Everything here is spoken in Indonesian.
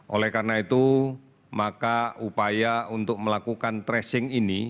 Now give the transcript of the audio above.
oleh karena itu maka upaya untuk melakukan tracing ini